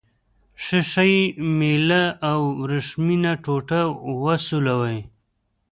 ښيښه یي میله او وریښمینه ټوټه وسولوئ.